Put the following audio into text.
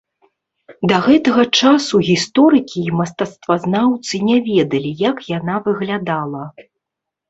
Да гэтага часу гісторыкі і мастацтвазнаўцы не ведалі, як яна выглядала.